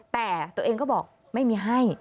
แต่ตัวเองก็บอกไม่มีให้